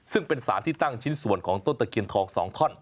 ซึ่งเป็นสารที่ตั้งชิ้นส่วนของต้นตะเคียนทอง๒ท่อน